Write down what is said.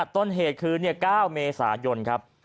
ต้นเหตุคือ๙เมษายนครับ